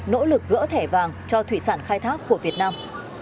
nỗ lực gỡ thẻ vàng cho thủy sản khai thác của việt nam